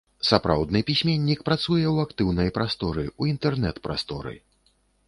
Сапраўдны пісьменнік працуе ў актыўнай прасторы, у інтэрнэт-прасторы.